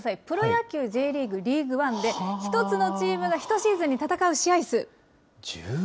プロ野球、Ｊリーグ、リーグワンで、１つのチームがひとシーズンに戦う試合数。